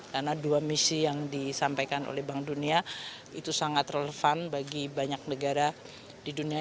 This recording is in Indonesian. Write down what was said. karena dua misi yang disampaikan oleh bank dunia itu sangat relevan bagi banyak negara di dunia